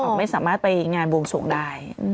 พี่อ๋อไม่สามารถไปงานบวงส่งได้อ๋อ